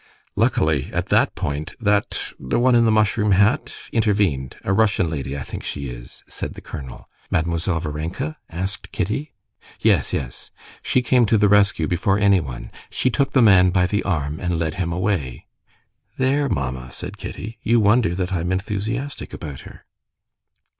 "Luckily at that point that ... the one in the mushroom hat ... intervened. A Russian lady, I think she is," said the colonel. "Mademoiselle Varenka?" asked Kitty. "Yes, yes. She came to the rescue before anyone; she took the man by the arm and led him away." "There, mamma," said Kitty; "you wonder that I'm enthusiastic about her."